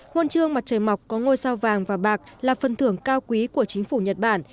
huân chương mặt trời mọc có ngôi sao vàng và bạc là phần thưởng cao quý của chính phủ nhật bản